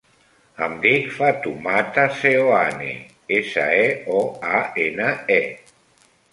Em dic Fatoumata Seoane: essa, e, o, a, ena, e.